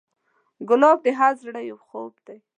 ګلاب د هر زړه یو خوب دی.